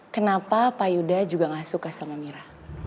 kenapa pak yuda juga gak suka sama mira